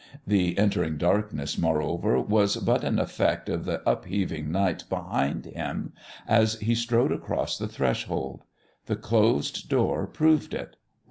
The entering darkness, moreover, was but an effect of the upheaving night behind him as he strode across the threshold. The closed door proved it.